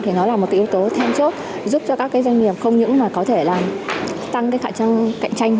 thì nó là một yếu tố thêm chốt giúp cho các doanh nghiệp không những có thể tăng cạnh tranh